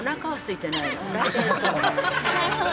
なるほど。